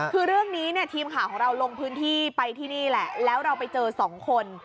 คือเรื่องนี้เนี่ยทีมข่าวของเราลงพื้นที่ไปที่นี่แหละแล้วเราไปเจอสองคน